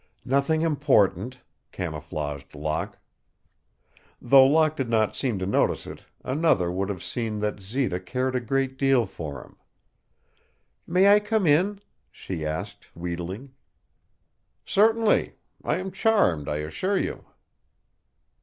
"Nothing important," camouflaged Locke. Though Locke did not seem to notice it, another would have seen that Zita cared a great deal for him. "May I come in?" she asked, wheedling. "Certainly. I am charmed, I assure you."